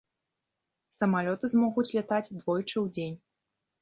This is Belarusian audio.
Самалёты змогуць лятаць двойчы ў дзень.